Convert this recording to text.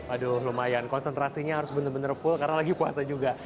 aduh lumayan konsentrasinya harus benar benar full karena lagi puasa juga